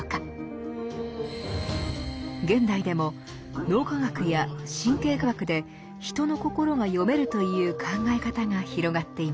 現代でも脳科学や神経科学で人の心が読めるという考え方が広がっています。